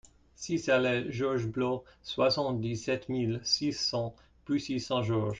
six allée Georges Blot, soixante-dix-sept mille six cents Bussy-Saint-Georges